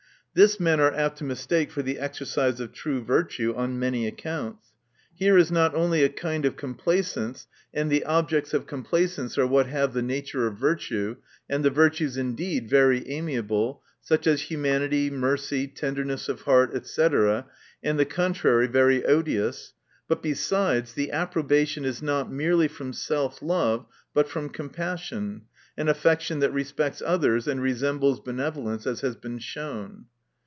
This, men are apt to mistake for the exercise of true virtue on many accounts. Here is not Vol. II. 38 298 THE NATURE OF VIRIUE. only a kind of complacence, and the objects of complacence are what have the nature of virtue, and the virtues indeed very amiable, such as humanity, mercy, tenderness of heart, &c, and the contrary very odious ; but besides, the appro bation is not merely from self love, but from compassion, an affection that re speets others, and resembles benevolence, as has been shown.